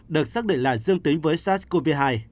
được xác định là dương tính với sars cov hai